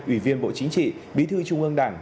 ủy viên bộ chính trị bí thư trung ương đảng